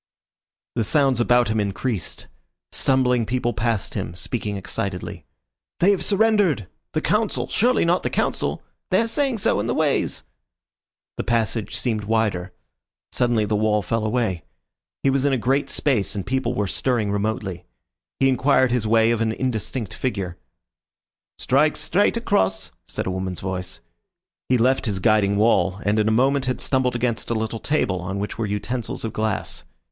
The sounds about him increased. Stumbling people passed him, speaking excitedly. "They have surrendered!" "The Council! Surely not the Council!" "They are saying so in the Ways." The passage seemed wider. Suddenly the wall fell away. He was in a great space and people were stirring remotely. He inquired his way of an indistinct figure. "Strike straight across," said a woman's voice. He left his guiding wall, and in a moment had stumbled against a little table on which were utensils of glass.